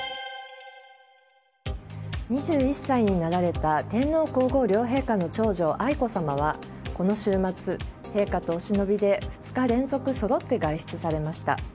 ２１歳になられた天皇・皇后両陛下の長女愛子さまはこの週末陛下とお忍びで２日連続そろって外出されました。